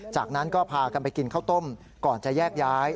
จากนั้นก็พากันไปกินข้าวต้มก่อนจะแยกย้าย